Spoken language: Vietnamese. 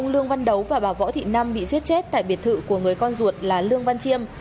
lương văn đấu và bà võ thị năm bị giết chết tại biệt thự của người con ruột là lương văn chiêm